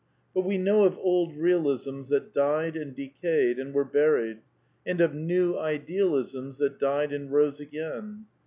But we know of Old Bealisms that died and decayed, and were buried, and of New Idealisms that died and rose again.